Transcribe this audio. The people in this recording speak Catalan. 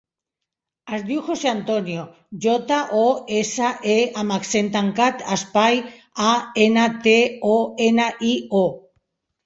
Es diu José antonio: jota, o, essa, e amb accent tancat, espai, a, ena, te, o, ena, i, o.